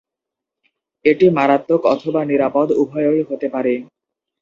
এটি মারাত্মক অথবা নিরাপদ উভয়ই হতে পারে।